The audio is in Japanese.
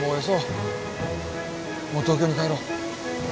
もう東京に帰ろう。